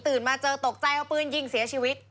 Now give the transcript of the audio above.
มาเจอตกใจเอาปืนยิงเสียชีวิต